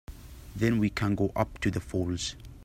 Then we can go up to the falls.